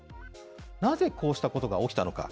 なぜこうしたことが起きたのか。